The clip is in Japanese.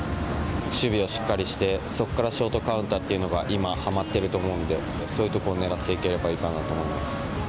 守備をしっかりして、そこからショートカウンターっていうのが今、はまっていると思うんで、そういうところを狙っていければいいかなと思います。